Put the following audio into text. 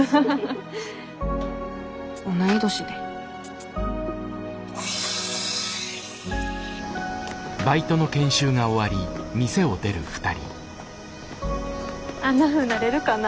同い年であんなふうになれるかな？